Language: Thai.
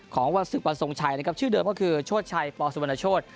ของวันศึกวันทรงชัยนะครับชื่อเดิมก็คือโชชัยปสุวรรณโชธ